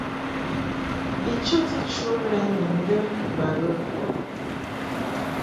Bi chəti chu lɛ ni ndə ba ghə.